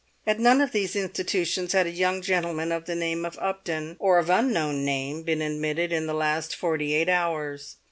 At none of these institutions had a young gentleman of the name of Upton, or of unknown name, been admitted in the last forty eight hours.